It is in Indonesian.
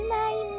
aku mau ke rumah